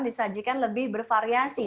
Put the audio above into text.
dan disajikan lebih bervariasi